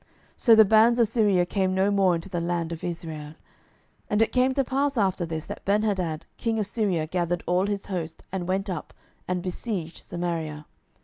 So the bands of Syria came no more into the land of Israel. 12:006:024 And it came to pass after this, that Benhadad king of Syria gathered all his host, and went up, and besieged Samaria.